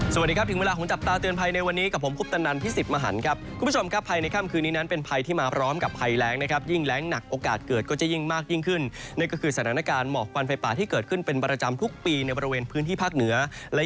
สวัสดีครับถึงเวลาของจับตาเตือนภัยในวันนี้กับผมคุปตนันพิสิทธิ์มหันครับคุณผู้ชมครับภายในค่ำคืนนี้นั้นเป็นภัยที่มาพร้อมกับภัยแรงนะครับยิ่งแรงหนักโอกาสเกิดก็จะยิ่งมากยิ่งขึ้นนั่นก็คือสถานการณ์หมอกควันไฟป่าที่เกิดขึ้นเป็นประจำทุกปีในบริเวณพื้นที่ภาคเหนือและ